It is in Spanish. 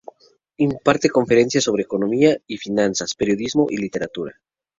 Imparte conferencias sobre Economía y Finanzas, Periodismo y Literatura.